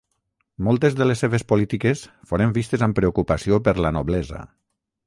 Moltes de les seves polítiques foren vistes amb preocupació per la noblesa.